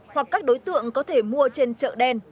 hoặc các đối tượng có thể mua trên chợ đen